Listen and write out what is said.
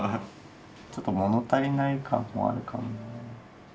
ちょっと物足りない感もあるかな。